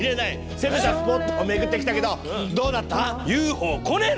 攻めたスポットを巡ってきたけどどうだった？